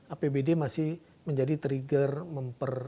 apbd masih menjadi trigger memper